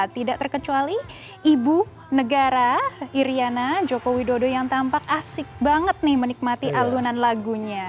tidak terkecuali ibu negara iryana joko widodo yang tampak asik banget nih menikmati alunan lagunya